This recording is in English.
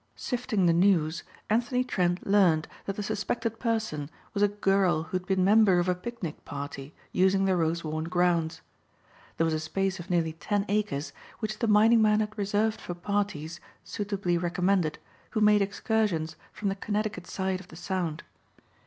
Sifting the news Anthony Trent learned that the suspected person was a girl who had been member of a picnic party using the Rosewarne grounds. There was a space of nearly ten acres which the mining man had reserved for parties, suitably recommended, who made excursions from the Connecticut side of the Sound.